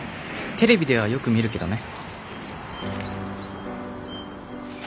テレビではよく見るけどね」。